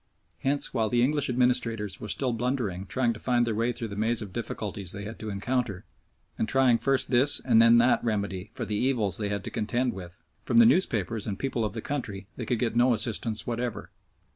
Hence, while the English administrators were still blunderingly trying to find their way through the maze of difficulties they had to encounter, and trying first this and then that remedy for the evils they had to contend with, from the newspapers and people of the country they could get no assistance whatever.